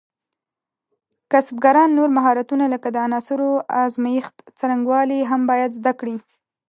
کسبګران نور مهارتونه لکه د عناصرو ازمېښت څرنګوالي هم باید زده کړي.